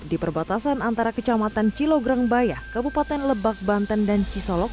di perbatasan antara kecamatan cilograngbaya kabupaten lebak banten dan cisolok